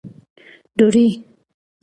ډوډۍ